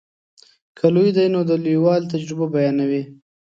که لوی دی نو د لویوالي تجربه بیانوي.